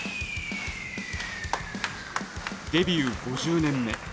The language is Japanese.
デビュー５０年目。